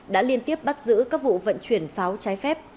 đã liên tiếp bắt giữ các vụ vận chuyển pháo trái phép